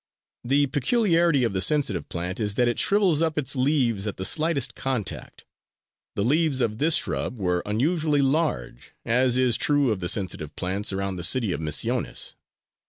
The peculiarity of the Sensitive plant is that it shrivels up its leaves at the slightest contact. The leaves of this shrub were unusually large, as is true of the Sensitive plants around the city of Misiones.